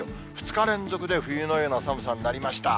２日連続で冬のような寒さになりました。